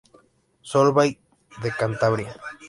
Solvay" de Cantabria.